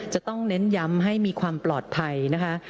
จะต้องเน้นย้ำให้มีความปลอดภัยนะคะ